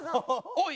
「おい！